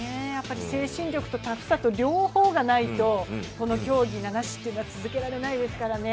精神力とタフさと両方がないとこの競技、七種というのは続けられないですからね。